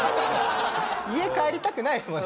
家帰りたくないですもんね